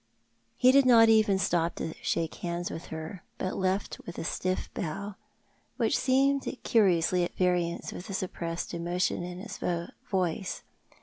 He did not even stop to shake hands with her, but left her ■with a stiff bow which seemed curiously at variance with the suppresi^ed emotion in his voice.